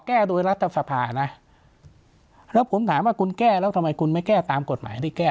แก้โดยรัฐสภานะแล้วผมถามว่าคุณแก้แล้วทำไมคุณไม่แก้ตามกฎหมายที่แก้